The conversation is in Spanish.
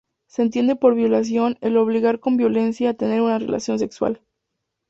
Se entiende por violación el obligar con violencia a tener una relación sexual.